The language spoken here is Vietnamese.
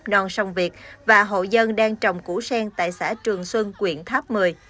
nòn sông việt và hội dân đang trồng củ sen tại sản phẩm